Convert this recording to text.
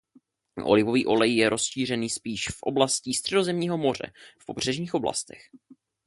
Olivový olej je rozšířený spíš v oblasti Středozemního moře v pobřežních oblastech.